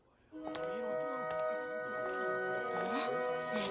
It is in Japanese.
えっ？